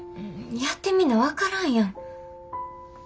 やってみな分からんやん。